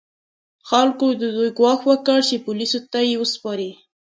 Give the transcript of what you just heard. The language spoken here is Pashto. خلکو د دوی ګواښ وکړ چې پولیسو ته به یې وسپاري.